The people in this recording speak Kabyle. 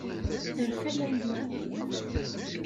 Terfa Layla.